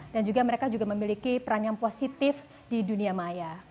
dan juga mereka memiliki peran yang positif di dunia maya